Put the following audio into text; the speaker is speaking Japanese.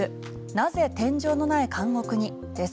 なぜ天井のない監獄にです。